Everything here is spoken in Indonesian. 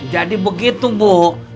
jadi begitu bu